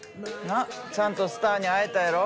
ちゃんとスターに会えたやろ。